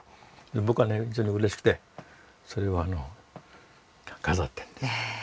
僕はね非常にうれしくてそれを飾ってるんです。